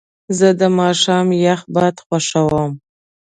زه د ماښام یخ باد خوښوم.